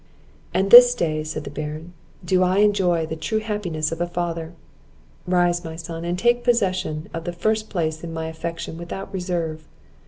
"And this day," said the Baron, "do I enjoy the true happiness of a father! Rise, my son, and take possession of the first place in my affection without reserve."